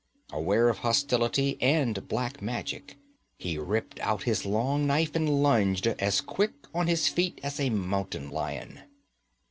Aware of hostility and black magic, he ripped out his long knife and lunged, as quick on his feet as a mountain lion.